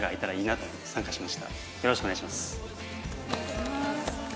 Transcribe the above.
よろしくお願いします。